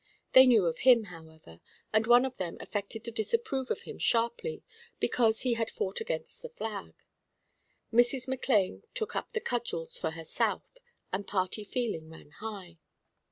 They knew of him, however, and one of them affected to disapprove of him sharply because he had "fought against the flag." Mrs. McLane took up the cudgels for her South, and party feeling ran high.